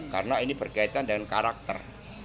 karena ini berkaitan dengan karakter